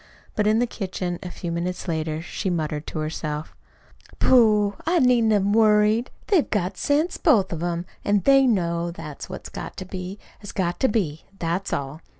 But in the kitchen, a few minutes later, she muttered to herself: "Pooh! I needn't have worried. They've got sense, both of 'em, an' they know that what's got to be has got to be. That's all.